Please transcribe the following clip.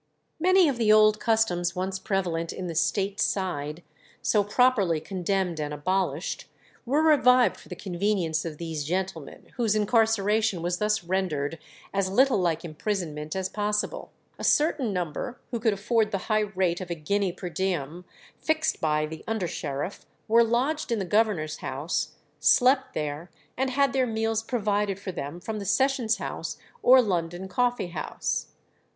Many of the old customs once prevalent in the State Side, so properly condemned and abolished, were revived for the convenience of these gentlemen, whose incarceration was thus rendered as little like imprisonment as possible. A certain number, who could afford the high rate of a guinea per diem, fixed by the under sheriff, were lodged in the governor's house, slept there, and had their meals provided for them from the Sessions House or London Coffee House.